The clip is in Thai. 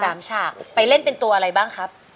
ฉากไปเล่นเป็นตัวอะไรบ้างครับ